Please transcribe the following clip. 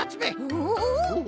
おお。